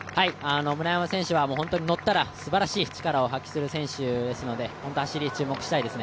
村山選手は乗ったらすばらしい力を発揮する選手ですので走りに注目したいですね。